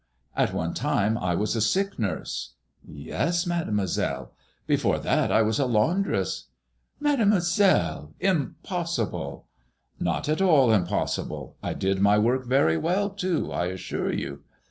''At one time I was a sick nurse." '' Yes, Mademoiselle." Before that I was a laun dress." '^ Mademoiselle I Impossible!" Not at all impossible. I did my work very well too, I assure you."